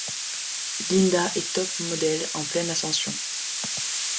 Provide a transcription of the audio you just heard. Linda est top model en pleine ascension.